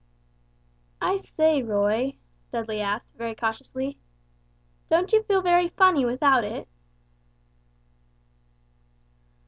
"I say, Roy," Dudley asked, very cautiously; "don't you feel very funny without it?"